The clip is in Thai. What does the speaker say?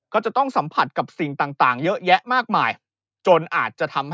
ก็จะต้องสัมผัสกับสิ่งต่างเยอะแยะมากมายจนอาจจะทำให้